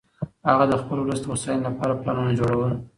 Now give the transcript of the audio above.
هغه د خپل ولس د هوساینې لپاره پلانونه جوړول.